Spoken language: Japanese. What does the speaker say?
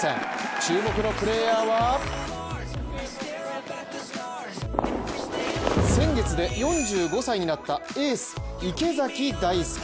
注目のプレーヤーは先月で４５歳になったエース・池崎大輔。